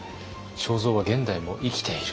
正造は現代も生きている。